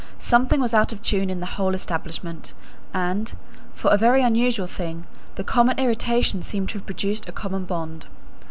Something was out of tune in the whole establishment; and, for a very unusual thing, the common irritation seemed to have produced a common bond.